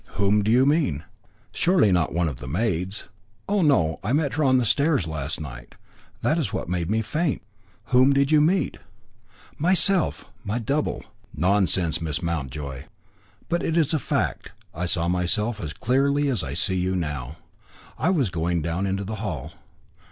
"Whom do you mean? Surely not one of the maids?" "Oh, no. I met her on the stairs last night, that is what made me faint." "Whom did you meet?" "Myself my double." "Nonsense, Miss Mountjoy." "But it is a fact. I saw myself as clearly as I see you now. I was going down into the hall."